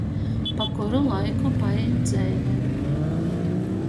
Pa kuru laiku paīt dzeive.